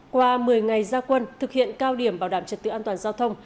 qua một mươi ngày gia quân thực hiện cao điểm bảo đảm trật tự an toàn giao thông